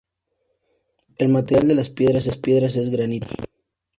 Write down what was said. El material de las piedras es granito local.